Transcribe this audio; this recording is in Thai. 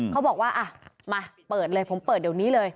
เขาบอกว่าอ่ะมาเปิดเลยผมเปิดเดี๋ยวนี้เลย